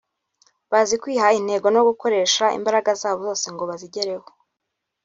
bazi kwiha intego no gukoresha imbaraga zabo zose ngo bazigereho